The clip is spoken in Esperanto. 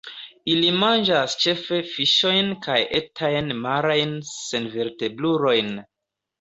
Ili manĝas ĉefe fiŝojn kaj etajn marajn senvertebrulojn.